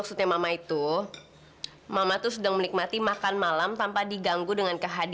semua pemilihan kamu sia sia buat papa